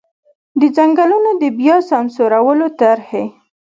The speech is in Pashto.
د ځنګلونو د بیا سمسورولو طرحې.